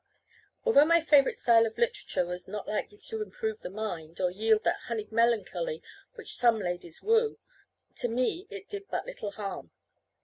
Although my favourite style of literature was not likely to improve the mind, or yield that honeyed melancholy which some young ladies woo, to me it did but little harm.